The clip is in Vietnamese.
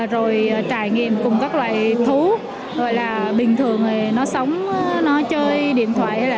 rồi trải nghiệm cùng các loại thú bình thường nó sống nó chơi điện thoại